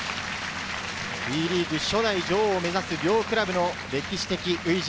ＷＥリーグ初代女王を目指す両クラブの歴史的初陣。